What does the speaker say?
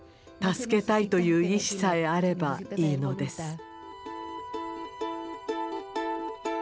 助けたいという意志さえあればいいのです。